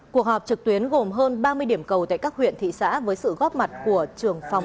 cuộc họp trực tuyến gồm hơn ba mươi điểm cầu tại các huyện thị xã với sự góp mặt của trưởng phòng